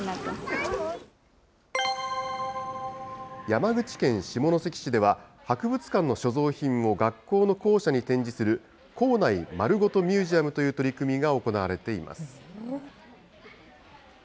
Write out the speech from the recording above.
山口県下関市では、博物館の所蔵品を学校の校舎に展示する、校内まるごとミュージアムという取り組みが行われています。